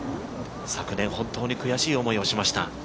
昨年本当に悔しい思いをしました。